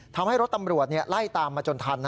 ทำให้รถตำรวจไล่ตามมาจนทัน